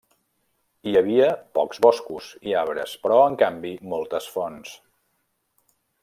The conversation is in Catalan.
Hi havia pocs boscos i arbres, però, en canvi, moltes fonts.